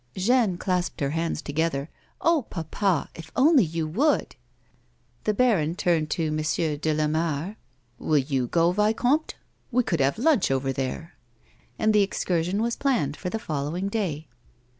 Jeanne clasped her hands together ;" Oh, papa ! If only you would !" The baron turned to M. de Lamare. " Will you go, vicomte 1 We could have lunch over there." And the excursion was planned for the following dav.